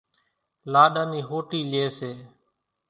لاڏا نِي ۿوُٽِي ليئيَ سي۔